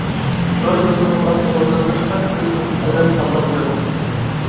تور سۈرىتىڭىز ئاستا بولسا باشقا كۆرۈش نۇقتىسىدىن تاللاپ كۆرۈڭ.